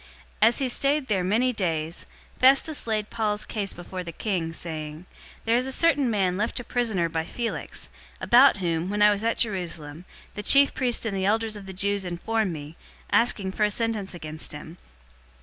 025:014 As he stayed there many days, Festus laid Paul's case before the king, saying, "There is a certain man left a prisoner by Felix; 025:015 about whom, when I was at Jerusalem, the chief priests and the elders of the Jews informed me, asking for a sentence against him.